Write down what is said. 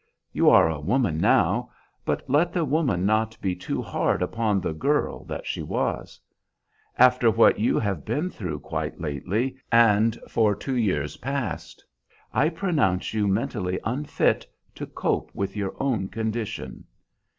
You are a woman now; but let the woman not be too hard upon the girl that she was. After what you have been through quite lately, and for two years past, I pronounce you mentally unfit to cope with your own condition.